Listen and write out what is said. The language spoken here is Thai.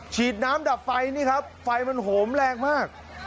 ฉีดน้ำดับไฟนี่ครับไฟมันโหมแรงมาก